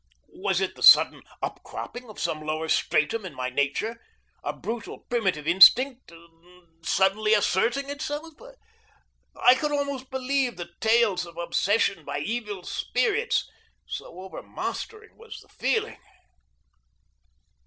Was it the sudden upcropping of some lower stratum in my nature a brutal primitive instinct suddenly asserting itself? I could almost believe the tales of obsession by evil spirits, so overmastering was the feeling.